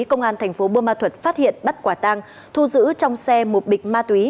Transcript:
công an thành phố bô ma thuật phát hiện bắt quả tang thu giữ trong xe một bịch ma túy